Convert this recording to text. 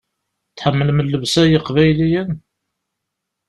Tḥemmlem llebsa n yeqbayliyen?